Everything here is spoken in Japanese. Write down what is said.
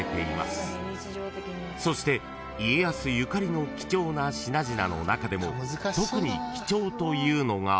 ［そして家康ゆかりの貴重な品々の中でも特に貴重というのが］